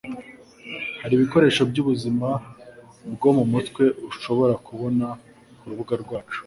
hari ibikoresho byubuzima bwo mumutwe ushobora kubona kurubuga rwacu.